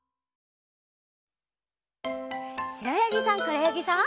しろやぎさんくろやぎさん。